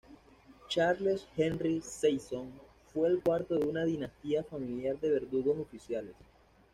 Charles-Henri Sanson fue el cuarto de una dinastía familiar de verdugos oficiales.